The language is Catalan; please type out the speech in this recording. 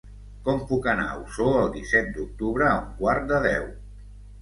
Com puc anar a Osor el disset d'octubre a un quart de deu?